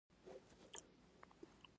د ډینګ شیاوپینګ اصلاحاتو اقتصاد پرانیسته.